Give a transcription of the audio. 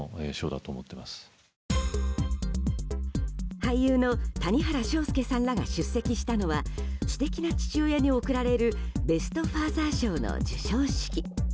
俳優の谷原章介さんらが出席したのは素敵な父親に贈られるベスト・ファーザー賞の授賞式。